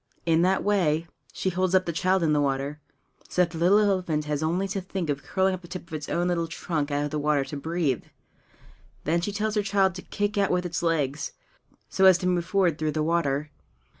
In that way she holds up the child in the water, so that the little elephant has only to think of curling up the tip of its own little trunk out of the water to breathe. Then she tells her child to kick out with its legs, so as to move forward through the water.